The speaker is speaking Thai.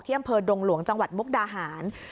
ที่อังเภอดงหลวงจังหวัดมกฎาหาร